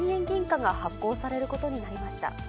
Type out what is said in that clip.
銀貨が発行されることになりました。